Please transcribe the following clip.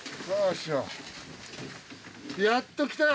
やっと来たよ。